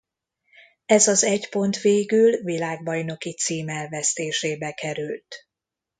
Ez az egy pont végül világbajnoki cím elvesztésébe került.